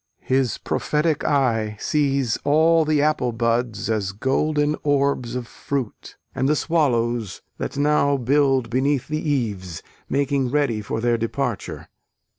His prophetic eye sees all the apple buds as golden orbs of fruit, and the swallows, that now build beneath the eaves, making ready for their departure.